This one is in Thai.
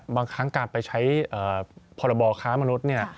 บางครั้งการไปใช้พบค้ามนุษย์